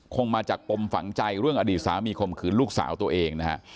คงมาจากปมฝังใจเรื่องอดีตสามีข่มขืนลูกสาวตัวเองนะฮะ